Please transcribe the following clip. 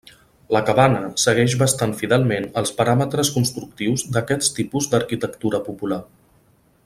La cabana segueix bastant fidelment els paràmetres constructius d'aquests tipus d'arquitectura popular.